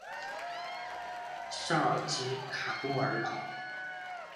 绍尔基卡波尔瑙。